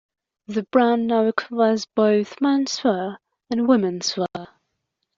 The brand now covers both menswear and womenswear.